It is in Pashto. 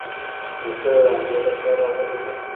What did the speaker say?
نو ته د همدې د پاره راغلې وې.